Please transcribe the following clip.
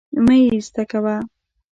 مه يې ايسته کوه